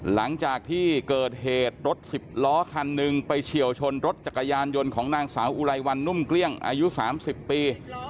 หลังจากที่เกิดเหตุรถสิบล้อคันหนึ่งไปเฉียวชนรถจักรยานยนต์ของนางสาวอุไรวันนุ่มเกลี้ยงอายุ๓๐ปี